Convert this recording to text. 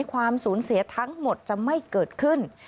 ความสูญเสียทั้งหมดจะไม่เกิดขึ้น